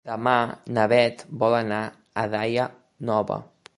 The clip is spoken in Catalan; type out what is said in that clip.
Demà na Beth vol anar a Daia Nova.